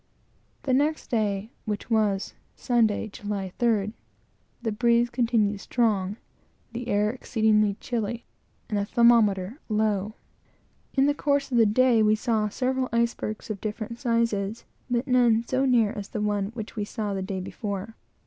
The next day, which was Sunday, July 3d, the breeze continued strong, the air exceedingly chilly, and the thermometer low. In the course of the day we saw several icebergs, of different sizes, but none so near as the one which we saw the day before.